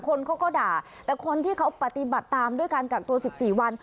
คนเขาก็ด่าแต่คนที่เขาปฏิบัติตามด้วยการกักตัว๑๔วัน